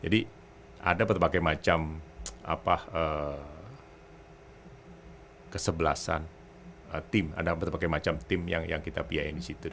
jadi ada berbagai macam kesebelasan tim ada berbagai macam tim yang kita biayain di situ